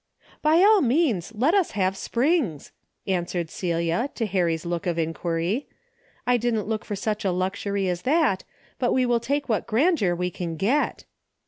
" By all means, let us have springs," an swered Celia to Harry's look of enquiry, " I didn't look for such luxury as that, but we will take what grandeur we can get."